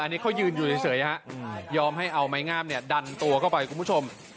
อันนี้เขายืนอยู่เฉยฮะยอมให้เอาไม้งามเนี่ยดันตัวเข้าไปคุณผู้ชม